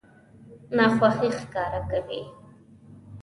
ناخوښي ښکاره کوي.